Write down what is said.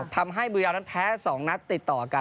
ทำให้บริราณนั้นแพ้๒นัทติดต่อกัน